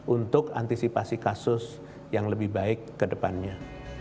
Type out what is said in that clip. untuk antisipasi kasus yang lebih baik kedepannya